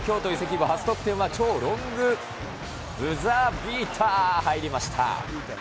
半澤の京都移籍後初得点は、超ロングブザービーター、入りました。